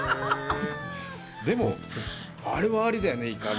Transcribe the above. でも、あれはありだよね、イカの。